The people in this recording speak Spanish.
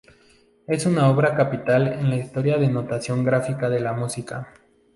Es una obra capital en la historia de notación gráfica de la música.